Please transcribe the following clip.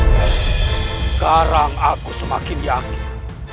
sekarang aku semakin yakin